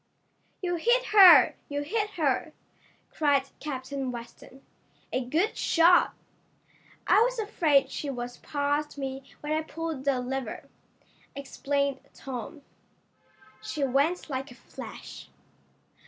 "You hit her! You hit her!" cried Captain Weston. "A good shot!" "I was afraid she was past me when I pulled the lever," explained Tom. "She went like a flash."